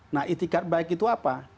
nah itikat baik itu apa